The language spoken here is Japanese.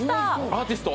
アーティスト？